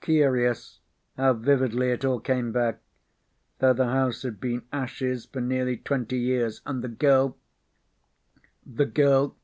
Curious how vividly it all came back, though the house had been ashes for nearly twenty years, and the girl the girl